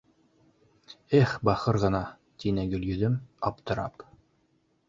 — Эй, бахыр ғына, — тине Гөлйөҙөм, аптырап.